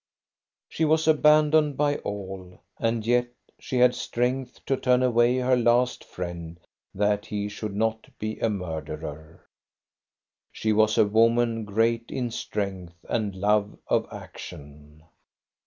She was abandoned by all, and yet she had strength CHRISTMAS DAY 6l to turn away her last friend that he should not be a murderer. She was a woman great in strength and love of action.